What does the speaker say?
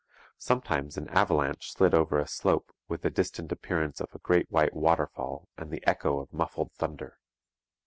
Sometimes an avalanche slid over a slope with the distant appearance of a great white waterfall and the echo of muffled thunder.